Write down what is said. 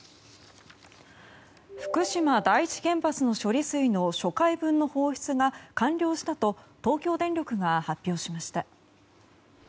福島第一原発の処理水の初回分の放出が完了したと東京電力が発表しました。